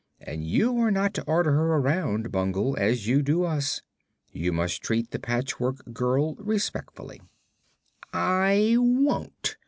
But you are not to order her around, Bungle, as you do us. You must treat the Patchwork Girl respectfully." "I won't.